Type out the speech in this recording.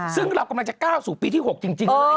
ซึ่งเรากำลังจะก้าวสู่ปีที่๖จริงเลย